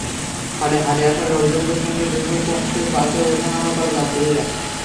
ফলে হাটে আসা লোকজনের সঙ্গে দুর্ভোগ পোহাচ্ছে বাসে ওঠা-নামা করা যাত্রীরা।